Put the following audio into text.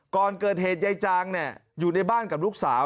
ก่อนเกิดเหตุยายจางอยู่ในบ้านกับลูกสาว